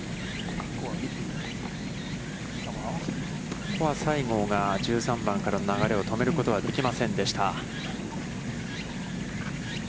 ここは西郷が１３番からの流れを止めることができませんでした。